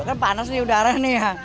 kan panas nih udara nih ya